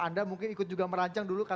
anda mungkin ikut juga merancang dulu